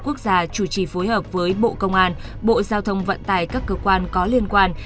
quốc gia chủ trì phối hợp với bộ công an bộ giao thông vận tài các cơ quan có liên quan